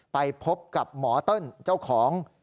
ไปพบกับหมอเติ้ลเจ้าของ